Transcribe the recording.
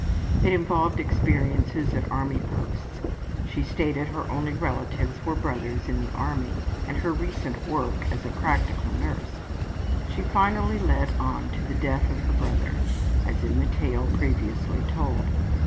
It involved experiences at army posts she stated her only relatives were brothers in the army and her recent work as a ``practical nurse.'' She finally led on to the death of her brother, as in the tale previously told.